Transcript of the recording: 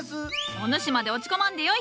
お主まで落ち込まんでよい！